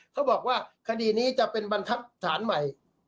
เขาบอกว่าคดีนี้จะเป็นบรรทัศน์ใหม่